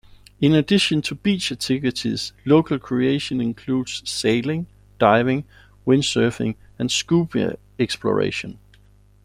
In addition to beach activities, local recreation includes sailing, diving, windsurfing, and scuba exploration.